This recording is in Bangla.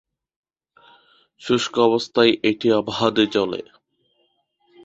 শুষ্ক অবস্থায় এটি অবাধে জ্বলে।